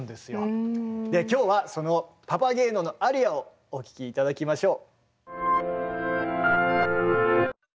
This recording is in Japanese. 今日はそのパパゲーノのアリアをお聴き頂きましょう。